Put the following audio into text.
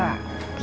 sama om baik juga